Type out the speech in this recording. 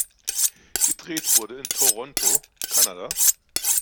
Gedreht wurde in Toronto, Kanada.